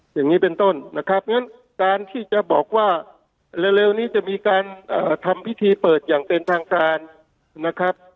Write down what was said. อย่างนี้เป็นต้นนะครับงั้นการที่จะบอกว่าเร็วนี้จะมีการทำพิธีเปิดอย่างเป็นทางการนะครับ